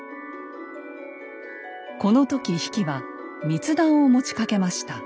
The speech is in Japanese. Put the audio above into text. この時比企は密談を持ちかけました。